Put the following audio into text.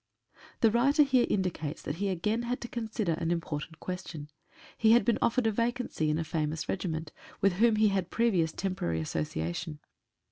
The writer here indicates that he again had to con sider an important question. He had been offered a vacancy in a famous regiment, with whom he had pre vious temporary association.